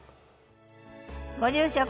ご住職